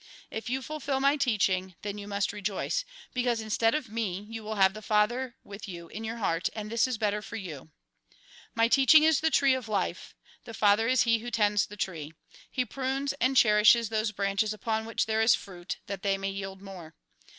If you fulfil my teaching, then you must rejoice, because instead of me you will have the Father I40 THE GOSPEL IN BRIEF with you in your heart, and this is better for you. " My teaching is the tree of life. The Father is He who tends the tree. He prunes and cherishes those branches upon which there is fruit, that they may yield more.